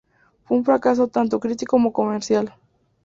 Fue un fracaso tanto crítico como comercial.